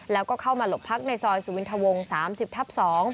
แล้วก็เข้ามาหลบพักในซอยสุวินทวง๓๐ทับ๒